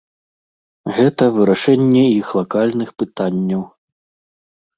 Гэта вырашэнне іх лакальных пытанняў.